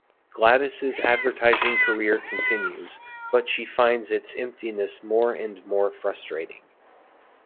Gladys' advertising career continues, but she finds its emptiness more and more frustrating.